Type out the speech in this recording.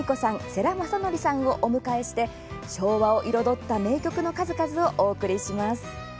世良公則さんをお迎えして昭和を彩った名曲の数々をお送りします。